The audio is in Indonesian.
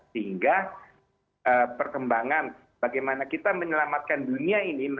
sehingga perkembangan bagaimana kita menyelamatkan dunia ini